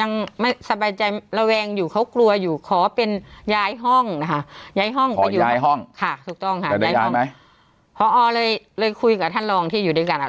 ยังไม่สบายใจระแวงอยู่เขากลัวอยู่ขอเป็นย้ายห้องนะคะ